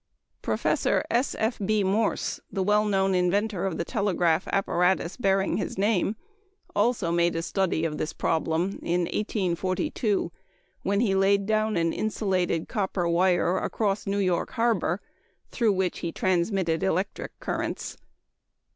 Prof. S. F. B. Morse, the well known inventor of the telegraph apparatus bearing his name, also made a study of this problem in 1842, when he laid down an insulated copper wire across New York harbor, through which he transmitted electric currents.